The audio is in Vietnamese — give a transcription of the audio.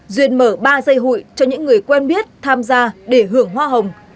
duyên mở ba dây hụi cho những người quen biết tham gia để hưởng hoa hồng